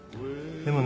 でもね